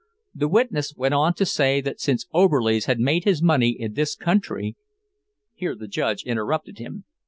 The witness went on to say that since Oberlies had made his money in this country Here the judge interrupted him.